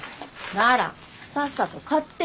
ならさっさと買ってよ